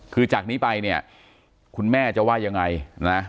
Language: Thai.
คือจากนี้ไปเนี่ยคุณแม่จะว่ายังไงนะ